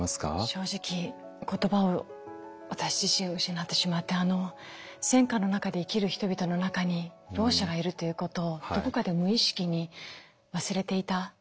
正直言葉を私自身失ってしまって戦禍の中で生きる人々の中にろう者がいるということをどこかで無意識に忘れていた。